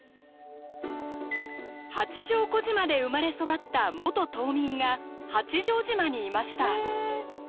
八丈小島で生まれ育った元島民が八丈島にいました。